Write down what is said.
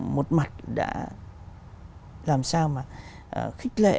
một mặt đã làm sao mà khích lệ